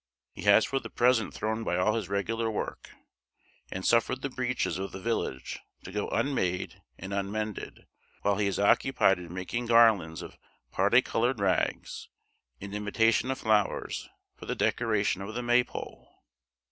He has for the present thrown by all his regular work, and suffered the breeches of the village to go unmade and unmended, while he is occupied in making garlands of particoloured rags, in imitation of flowers, for the decoration of the May pole.